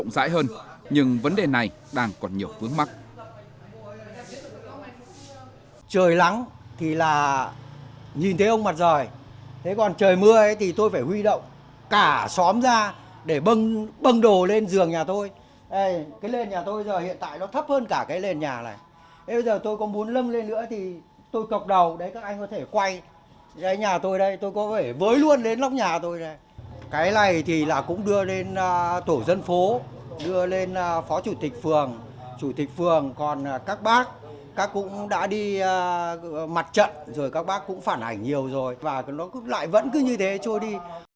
cái này thì là cũng đưa lên tổ dân phố đưa lên phó chủ tịch phường chủ tịch phường còn các bác các cũng đã đi mặt trận rồi các bác cũng phản hành nhiều rồi và nó lại vẫn cứ như thế trôi đi